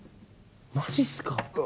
マジっすか？